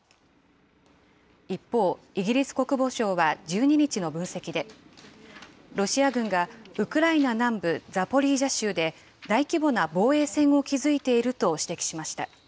一方、イギリス国防省は１２日の分析で、ロシア軍がウクライナ南部ザポリージャ州で、大規模な防衛線を築いていると指摘しました。